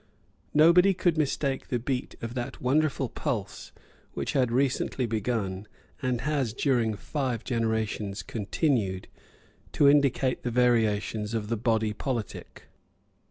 Nobody could mistake the beat of that wonderful pulse which had recently begun, and has during five generations continued, to indicate the variations of the body politic.